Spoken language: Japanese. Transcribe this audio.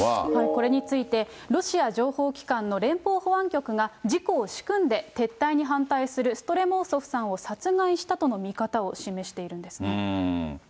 これについて、ロシア情報機関の連邦保安局が事故を仕組んで撤退に反対するストレモウソフさんを殺害したとの見方を示しているんですね。